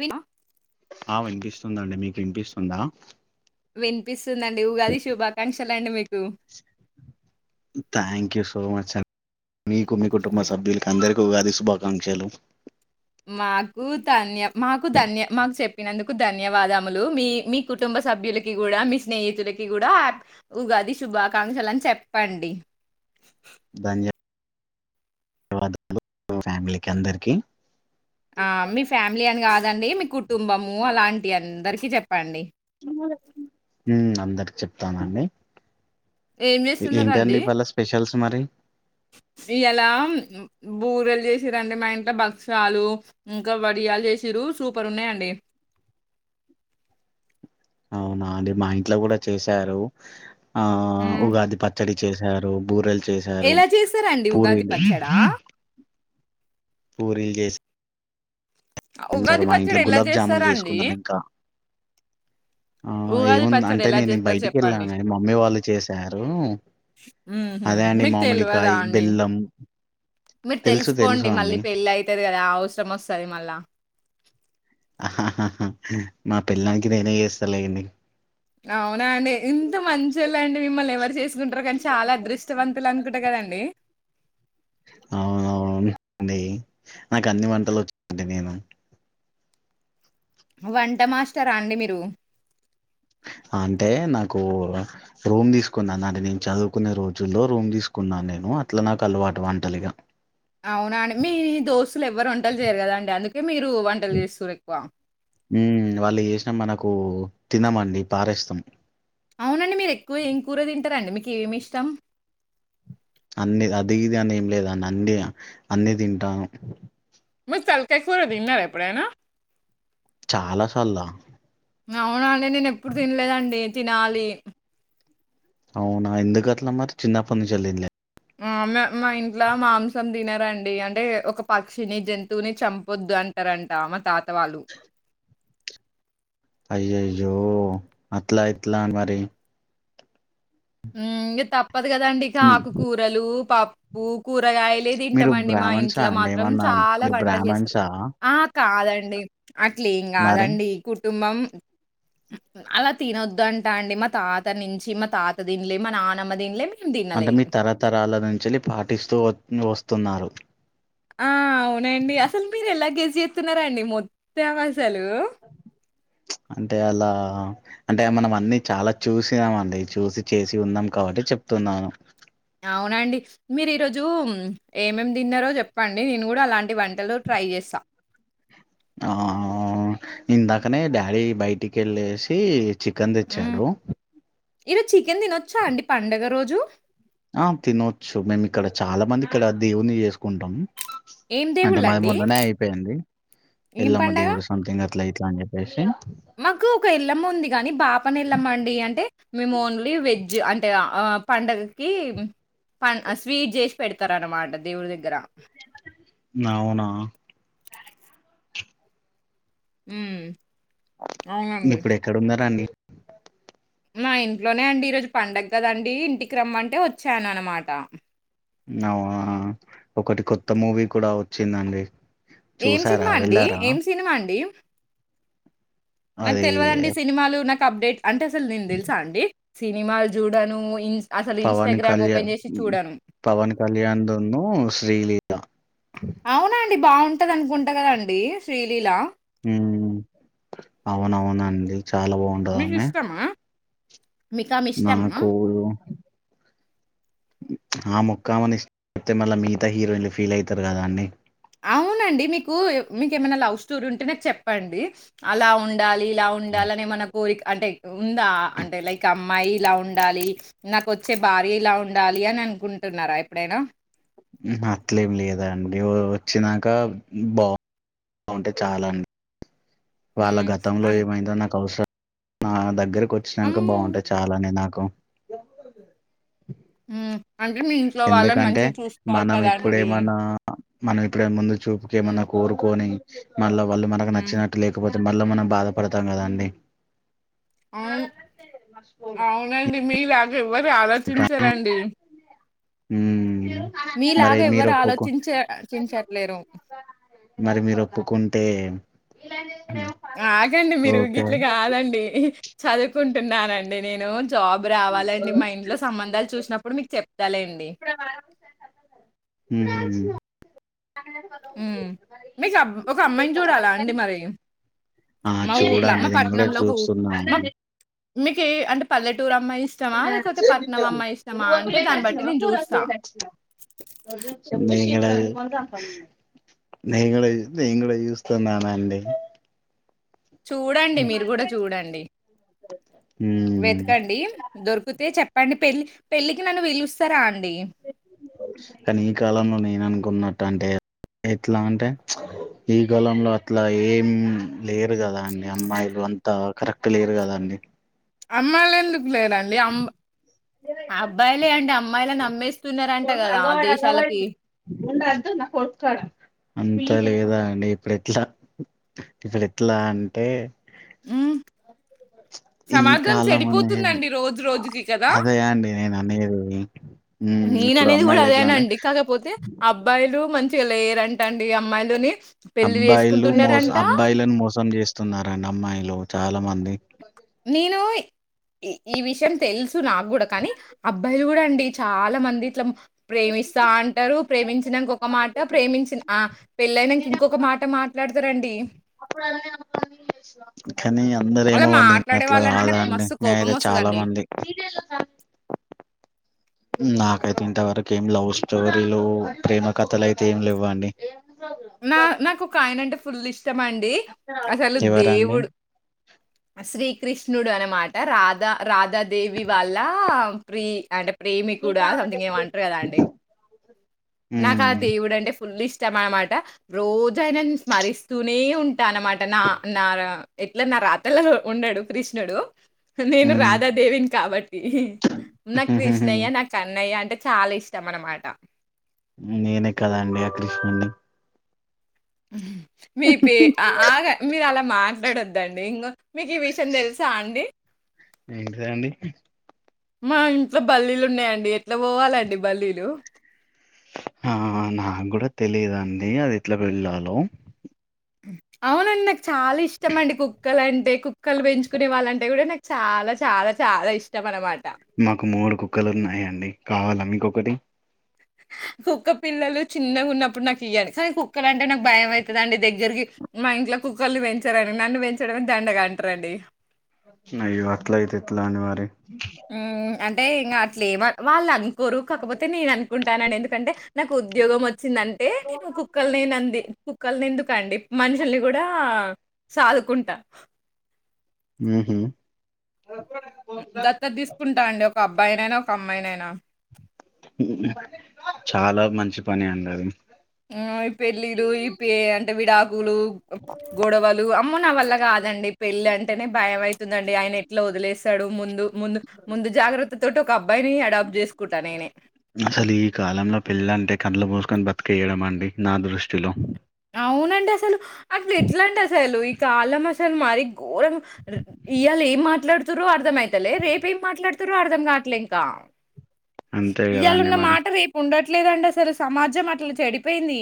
Win ఆ వెంకీ. స్తుందండి మీకు ఇన్పిస్తుందా. వినిపిస్. స్తుందండి, ఉగాది శుభాకాంక్షలండి మీకు. థ్యాంక్ యూ సో మచ్చ్ అన్. మీకు మీ కుటుంబ సభ్యులకు అందరికి. ఉగాది శుభాకాంక్షలు. మాకు తన్య, మాకు ధన్య, మాకు చెప్పినందుక్. కు ధన్యవాదములు. మీ మీ కుటుంబ సభ్యులకి గూడా, మీ స్నేహితులకి గూడా హ్యా ఉగాది శుభాకాంక్షలు అని చెప్పండి. ధన్య. [unintelligible] ఫ్యామిలీకి అందరికి. ఆ మీ ఫ్యామిలీ అని కాదండి మీ కుటుంబము అలాంటి అందరికీ చెప్పండి. హ్మ్ అందరికి చెప్తానండి. ఏం చేస్తున్నారండి, ఏంటండి వాళ్ళ స్పెషల్స్ మరి ఇయాళ. బూరెలు చేసింరండి మా ఇంట్ల, భక్షాలు ఇంకా, వడియాలు చేసిన్రు సూపర్ ఉన్నాయండి. అవునా అండి మా ఇంట్ల కూడా చేశారు. ఆ మ్మ్. ఉగాది పచ్చడి. చేశారు బూరెల్. ఎలా చేసారండి ఉగాది పచ్చడా. పూరీల్ జేస్. ఉగాది పచ్చడ ఎలా గులాబ్ జాములు చేస్తారండి. చేసుకున్నాం ఇంకా ఆ ఏముంది అంటే ఎలా నేన్ నీ చేస్తారు బయటికి వెళ్ళాను, చెప్పండి గాని మమ్మీ వాళ్ళు చేశారు. ఉహు అదే అండి మీకు తెల్వదా మామిడికాయి, అండి బెల్లం మీరు తెలుసు తెలుసు అండి. మోస్తది మళ్ళ. నా పెళ్ళానికి నేనే చేస్తాలేండి. అవునా అండి, ఎంత మంచోలండి. మిమ్మల్ని ఎవర్ చేస్. కుంటారో కానీ చాలా అదృష్టవంతులు అనుకుంట కదండి. అవునవునండి నాకు అన్ని వంటలు వచ్చాండి. నేను వంట మాస్టరా అండి మీరు. అంటే నాకు రూమ్ తీసుకున్నాను. అది నేను చదువుకునే రోజుల్లో రూమ్ తీసుకున్నా నేను. అట్లా నాకు అలవాటు వంటలిగా. అవునా అండి మీ దోస్త్ లెవ్వరు వంటలు చేయరు కదా అండి అందుకే మీరు వంటలు చేస్తుర్రెక్కువ కూ తినమండి పారేస్తాం అవునండి మీరు ఎక్కువ ఏం కూర తింటారండి మీకు ఏమి ఇష్టం అన్ని అది ఇది అని ఏం లేదు అండ్ అంది అన్ని తింటాము మీరు తలకాయ కూర తిన్నారా ఎప్పుడైనా చాలా సార్లా అవున్ అవునా అండి నేను ఎప్పుడు తినలేదండి తినాలి అవునా ఎందుకు అట్లా మరి, చిన్నప్పటి నుంచి తినలే ఆ మా మా ఇంట్లా మాంసం తినరండి అంటే ఒక పక్షిని జంతువుని చంపొద్దు అంటారంట మా తాత వాళ్ళు అయ్యయ్యో అట్లా ఇట్లా మరి ఉమ్ ఇంగ తప్ తప్పదు కదండి ఇక ఆకుకూరలు పప్ ఊకూ కూరగాయలే మీరు తింటమండి మా బ్రాహ్మణ్సా ఇంట్ల అండి మాత్రం ఏమన్నా చాలా మీరు వంటలు చేస్తారు బ్రాహ్మణ్సా ఆ కాదండి అట్లేం మరి కాదండి కుర్ కుటుంబం అలా తినొద్దంటా అండి మా తాత నుంచి మా తాత్ తిన్లే మా నానమ్మ తిన్లే అంటే మీర్ తరతరాల నుంచెలి పాటిస్తూ వ స్తున్నారు ఆ అవునండి అసలు మీర్ ఎలా గేజ్ చేస్తున్నారండి మొత్తం అసలు అంటే అలా అంటే మనం అన్ని చాలా చూసినామండి చూసి చేసి ఉన్నాం కాబట్టే చెప్తున్నాను అవునండి మీరు ఈరోజూ ఏమేమి తిన్నరో చెప్పండి నేను కూడా అలాంటి వంటలు ట్రై చేస్సా ఆ ఇందాకనే డాడి బయటికెళ్ళేసి చికెన్ తెచ్చాడూ ఈరోజ్ చికెన్ తినొచ్చా అండి పండగ రోజు ఆ తినొచ్చు మేము ఇక్కడ చాలా మంది ఇక్కడ దేవున్ని చేసుకుంటమ్ ఏం అంటె మాది దేవుళ్ళండి? మొన్ననే అయిపోయింది ఏం ఎల్లమ్మ పండగ? దేవుడు సమ్తింగ్ అ ఇట్ల ఇట్ల అని చెప్పేసి మాకు ఒక ఎల్లమ్మ ఉంది గానీ, బాపన జ్ అంటే ఆ పండుగకి పం స్వీట్ చేసి పెడతారు అన్నమాట దేవుడి దగ్గర అవునా మ్మ్ ఇప్పుడు ఎక్కడ ఉన్నారండి మా ఇంట్లోనే అండి ఈరోజు పండగ కదండి ఇంటికి రమ్మంటే వచ్చాననమాట అవ్అ ఒకటి కొత్త మూవీ కూడా వచ్చిందండి ఏం చూసారా సినిమా అండి వెళ్ళారా ఏం సినిమా అండి నక్ అది తెల్వదండి సినిమాలు నక్ అప్డేట్ అంటే అసలు నేను తెలుసా అండి సినిమాలు చూడను ఇ అసలు పవన్ ఇన్‌స్టాగ్రామ్ కళ్యాణ్ ఓపెన్ జేసి పవన్ కళ్యాణ దును శ్రీలి డ బాగుంటది అనుకుంటా కదాండి శ్రీలీలా మ్ అవునవునండి చాలా బాగుంటద ఆమే మీకిష్టమా? మీకామె నా ఇష్టమా? కో ఆ మొక్కమని ఇసిపెడితే మల్ల మిగతా హీరోయిన్లు ఫీల్ అవుతారు కదండీ అవునండి మీకు మీకేమైనా లవ్ స్టోరీ ఉంటే నాక్ చెప్పండి అలా ఉండాలి ఇలా ఉండాలనే ఏమన్నా కోరిక అంటే ఉందా అంటే లైక్ అమ్మాయి ఇలా ఉండాలి నాకు వచ్చే భార్య ఇలా ఉండాలి అని అనుకుంటున్నారా ఎప్పుడైనా అట్లేమి లేదఅండి వచ్చినాక బాగు బాగుంటే చాలా అండి వాళ్ళ హ్మ్. గతంలో అన్ ఏమైందో నాకు అవసరం నా దగ్గరకు వచ్చినాక అమ్మో! బాగుంటే చాలానే నాకు బా మ్ అంటే మీ ఇంట్లో వాళ్ళని మంచిదగా చూసుకోవాలి మనం కదండి ఇప్పుడేమన్నా మనం ఇప్పుడె ముందు చూపుకి ఏమన్నా కోరుకొని మల్ల వాళ్లు మనకు హ్మ్ నచ్చినట్లు లేకపోతే మల్ల మనం బాధపడదాం కదండీ అవ్ను అవునండి మీలా ఎవరి ఆలోచించరండి మ్ మరి మీలాగా మీరు ఎవ్వరు ఒప్పుకు ఆలోచించ చించట్లేరు. మరి మీరు ఒప్పుకుంటే ఏ లంజె ఆగండి మీరు గిట్ల కాదండి చదువుకుంటున్నానండి నేను జాబ్ రావాలండి మా ఇంట్లో సంబంధాలు చూసినప్పుడు మీకు చెప్తాలేండి. ఉమ్ హ్మ్. మీకు అబ్ ఒక అమ్మాయిని చూడాలా అండి మరి? ఆ మా ఊర్ల చూడండి మా నేను కూడా చూస్తున్నాను మీకీ అంటే పల్లెటూరు అమ్మాయి ఇష్టమా లేకపోతే, పట్నం అమ్మాయి ఇష్టమా అంటే దాన్ని బట్టి నేను చూస్తా. ఎలా నేను గూడ నేను గూడా చూస్తున్నానండి. చూడండి మీరు కూడా చూడండి వెతకండి ఉమ్ దొరికితే చెప్ అండి పెళ్లి పెళ్ళికి నన్ను పిలు కని ఈ కాలంలో నేను అను కున్నట్టు అంటే ఎట్లా అంటే ప్చ్ ఈ కాలంలో అట్లా ఏం లేరు కదా అండి అమ్మాయిలు అంతా కరెక్ట్ లేరు కదాండి. అమ్మాయిళెందు లేరండి అమ్ అబ్బాయిలే అండి అమ్మాయిలను అమ్మేస్తున్నారంట కదా ఆ దేశాలకి. అంతా లేదా అండి ఇప్పుడు ఎట్లా ఇప్పుడు ఎట్లా అంటే మ్మ్ ఈ కాలం అనేది రోజుకి కదా అదే అండి నేను అనేది. ఉమ్ ఇప్పుడు నేననేది కూడా అమ్మాయిలు ఎట్లా అంటే అదేనండి కాకపోతే అబ్బాయిలు మంచి గా లేరంటండి అమ్మాయిలుని పెళ్లి అబ్బాయిలు మోసం చేసుకుంటున్నారంట అబ్బాయిలను మోసం చేస్తున్నారండి అమ్మాయిలు. చాలా మంది నేను ఈ విషయం తెలుసు నాకు కూడా కానీ, అబ్బాయిలు కూడా అండి చాలా మంది ఇట్ల ప్రేమిస్తా అంటారు ప్రేమించినంక ఒక్ ఒక మాట ప్రేమించిన ఆ పెళ్ళైనంక ఇంకొక మాట మాట ట్లాడుతారండి. అప్పుడు [inaudible] [inaudible] చేసిన కానీ అందరూ అలా ఏమో గాని నేను మాట్లాడే అట్ల వాళ్ళంటే కాదు నాకు అండి మస్తు నేనైతే చాలా కోపమొస్తదండి. మంది నాకైతే ఇంతవరకు ఏం లవ్ స్టోరీలు ప్రేమ కథలు అయితే ఏమి లెవ్వండి. నా నాకు ఒక ఆయన అంటే ఫుల్ ఇష్ ష్టమండి అసలు ఎవరండి దేవుడు శ్రీ కృష్ణుడు అనమాట రాధా రాధా దేవి వాళ్ళ ప్రి అంటే ప్రేమికుడా సంథింగ్ ఏమంటరు కదా అండి నాకు ఆ మ్మ్ దేవుడు అంటే ఫుల్ల్ ఇష్ ష్టమనమా ట రోజు ఆయనని స్మరిస్తూనే ఉం ట అనమాట న నార ఎట్లా నా రాతలలో ఉండడు కృష్ణుడు. నేను మ్మ్ రాధాదేవిని కాబట్టి నా కృష్ణయ్య నా కన్నయ్య అంటే చాలా ఇష్టము అనమాట నేనే కదా అండి ఆ కృష్ణున్ని హ్మ్ హు మీ పే ఆ ఆ ఆగా మీరు అలా మాట్లాడొద్దండి ఇంగ మీకి ఈ విషయం తెలుసా అండి. ఏంటిదండి మా ఇంట్లో బల్లీలు ఉన్నాయండి ఎట్లా పోవాలండి బల్లీలు. ఆ నాకు కూడా తెలియదండి అది ఎట్లా వెళ్ళలో అవునన్న చాలా ఇష్టం అండి కుక్కలు అంటే కుక్కలు పెంచుకునే వాళ్ళంటే కూడా నాకు చాలా చాలా చాలా ఇష్టం అనమాట మాకు మూడు కుక్కలు ఉన్నాయండి కావాలా మీకొకటి కుక్క పిల్లలు చిన్నగా ఉన్నప్పుడు నాకు ఇయ్యండి కానీ కుక్కలు అంటే నాకు భయం అయితందండి దగ్గరికి మా ఇంట్లో కుక్కల్ని పెంచరని నన్ను పెంచడమే దండగా అంటారంండి అయ్యో అట్లయితే ఎట్లండి మరి హ్మ్ అంటే ఇంగా అట్లే ఎమన్ వాళ్ళంత కోరు కాకపోతే నేను అనుకుంటాన ఎందుకంటే నాకు ఉద్యోగం వచ్చిందంటే నేను కుక్కలనింది కుక్కల్ని ఎందుకు అండి మనుషుల్ని కూడా సాదుకుంటా అంట హ్మ్ హు దత్త తీసుకుంటా అండి ఒక అబ్బా బ్బాయినైనా ఒక అమ్మాయినైనా చాలా మంచి పని అండి అది హ్మ్ ఈ పెళ్ళిళ్ళు ఈ పేరంటం విడాకులు [unintelligible] గొడవలు ఆప్ మ్మో నా వల్ల కాదండి పెళ్ళి అంటేనే భయం అవుతుందండి ఆయన ఎట్లా వదిలేస్తాడు ముందు ముందు ముందు జాగ్రత్త తోటి ఒక అబ్బాయిని అడాప్ట్ చేసుకుంటా నేనే కొని బతికేయడం అండి నా దృష్టిలో అవునండి అసలు అట్ల ఎట్లండి అసలు కాలం అసలు మరి ఘోరం ఇయ్యాల ఏం మాట్లాడు తుర్రో అర్థమయితలే రేపేం మాట్లాడుతుర్రో అర్థం కావట్లే ఇంకా అంతే కదండి ఇయ్యాళున్న మరి మాట రేపు ఉండట్లే ట్లేదండి అసలు సమాజం అట్లా చెడిపోయింది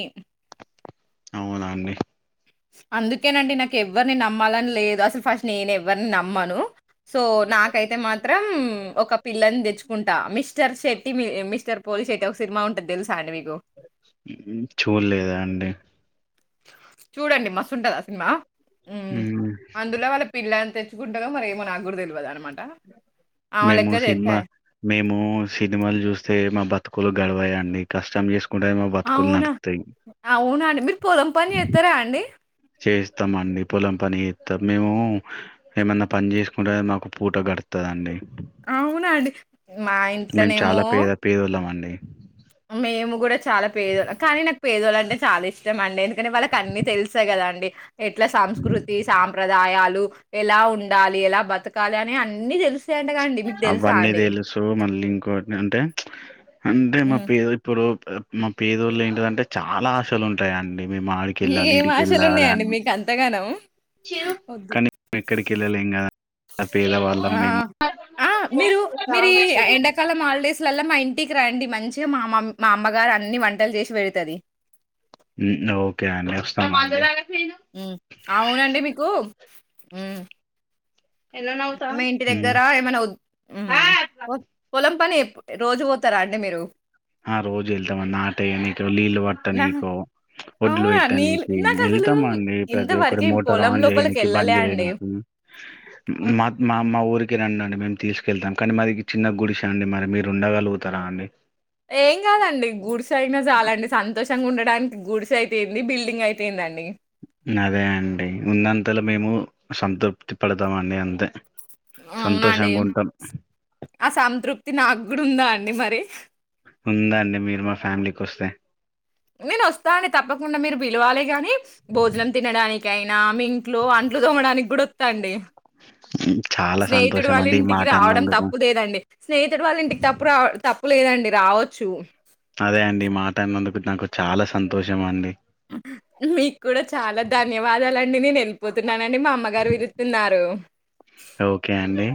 అవునా అండి అందుకేనండి నాకు ఎవ్వరిని నమ్మాలని లేదు అసలు ఫస్ట్ నేను ఎవ్వరిని నమ్మను సో నాకైతే మాద్ త్రం ఒక పిల్లని తెచ్చుంటా మిస్ స్టర్ శెట్టి మీ మిస్టర్ పోలి శెట్టి ఒక సినిమా ఉంటది తెలుసా అండి మీకు హ్మ్ చూడలేదు అండి చూడండి మస్తుంటది ఆ సినిమా హ్మ్ అందులో వాళ్ళ పిల్లని తెచ్చుకుంటరో మరి ఏమో నాకు కూడా తెల్వదు అన్నమాట ఆమె మేము లెక్క చే సినిమా మేము సినిమాలు జూస్తే మా బతుకులు గడవయండి కష్టం చేసు కూంటేనే మా బతుకులు నడుత్తయి మీ పొలం పని చేస్తారా అండి చేస్తామ అండి పొలం పని చేస్తాం, మేము ఏమన్నా పని చేసుకుంటే మాకు పూట గడుతాదండి. అవునండి మా మేము ఇంట్లోనేమో చాలా పేద పేదోళ్ళమండి. మేము గుడా చాలా పేద్ కానీ నాక్ పేదోల్లంటే చాలా ఇష్టం అండి వాళ్ళకి అన్ని తెలుస్తయ్ కదా అండి ఎట్లా సంస్కృతి సాంప్రదాయాలు ఎలా ఉండాలి ఎలా బతకాలి అని అన్ని తెలుస్ అవన్నీ తెలుసు మళ్ళీ ఇంకో అంటే అంటే మా హ్మ్. పేద ఇప్పుడు మా పేదోళ్ళు ఏంటిదంటే చాలా ఆశలు ఉంటయండి మేము ఆడికెళ్ళాలి మీకేం ఆశలున్నాయండి ఇడికెళ్ళాలని మీకు అంతగానం? ఒద్దు. కానీ ఎక్కడికి ఎళ్ళాలేం కదాం పేద వాళ్ళం ఆ! మేము ఆ మీరు మీరు ఈ ఎండాకాలం హాలిడేస్ లల్ల మా ఇం టికి రండి మంచిగా మా మా అమ్మగారు అన్ని వంటలు చేసి పెడుతది ఓకే అండి వస్తాం అండి అవునండి మీకు మ్ మీ ఇంటి హ్మ్. దగ్గరా ఏమైనా వుడ్ పొలం పని రోజు పోతరా అండి మీరు ఆ రోజు ఎల్తమండి ఆ టైమికి నీళ్లు నాహా! పట్టనీకో ఒడ్లు అవునా! నీల్ పెట్టనీకి నాకసలు వెళ్తాం అండి ప్రతి ఒక్కరు ఇంతవరకి మోటార్ పొలం ఆన్ చేయనికి లోపలికెళ్ళలే బంద్ అండి. చేయనికి మా ఊరికి రండి అండి మేము తీసుకెళ్తాం కానీ మదీ చిన్న గుడిస అండి మరి మీరు ఉండగలుగుతారా అండి ఏం కాదండి గుడిసయినా చాలండి సంతోషంగా ఉండ దానికి గుడిసె అయితే ఏంది బిల్డింగ్ అయితే ఎందండీ అదే అండి ఉన్నంతలో మేము సంతృప్తి పడతామండి అంతే అవునండి సంతోషంగా ఉంటాం. ఆ సంతృప్తి నాకు గూడా ఉందా అండి మరీ ఉందండి మీరు మా ఫ్యామిలీకి వస్తే నేను వస్తానీ తప్పకుండా మీరు పిలువాలేగాని భోజనం తినడానికి కైనా మీ ఇంట్లో అంట్లు తోమడానికి కూడా వస్తాఅండి చాలా స్నేహితుడు సంతోషం వాళ్ళ అండి ఈ ఇంటికి మాట రావడం అన్నందుకు. తప్పు లేదండి స్నేహితుడు వాళ్ళ ఇంటికి తప్పు రావ తప్పు తప్పు లేదండి రావచ్చు అదే అండి ఈ మాట అన్నందుకు నాకు చాలా సంతోషం అండి మీకు కూడా చాలా ధన్యవాదాలండి నేను వెళ్ళిపోతున్నా నండి మా అమ్మగారు విలుత్తున్నారు ఓకే అండీ